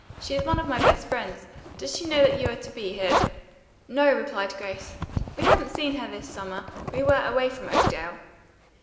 She is one of my best friends. Does she know that you are to be here?" "No," replied Grace. "We haven't seen her this summer. We were away from Oakdale."